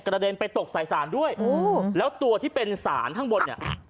เด็นไปตกใส่สารด้วยโอ้แล้วตัวที่เป็นสารข้างบนเนี่ย